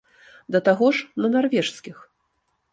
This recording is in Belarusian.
Да таго ж, на нарвежскіх!